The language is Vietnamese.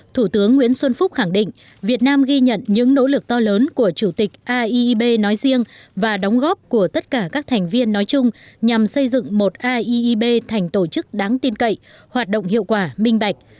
thủ tướng nguyễn xuân phúc khẳng định việt nam ghi nhận những nỗ lực to lớn của chủ tịch aip nói riêng và đóng góp của tất cả các thành viên nói chung nhằm xây dựng một aib thành tổ chức đáng tin cậy hoạt động hiệu quả minh bạch